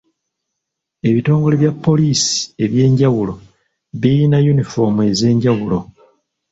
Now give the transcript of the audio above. Ebitongole bya poliisi eby'enjawulo biyina yunifoomu ez'enjawulo.